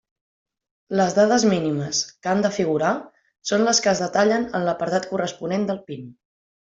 Les dades mínimes que han de figurar són les que es detallen en l'apartat corresponent del PIN.